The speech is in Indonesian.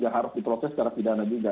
ya harus diproses secara pidana juga